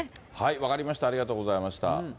分かりました、ありがとうございました。